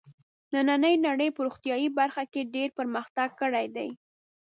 نننۍ نړۍ په روغتیايي برخه کې ډېر پرمختګ کړی دی.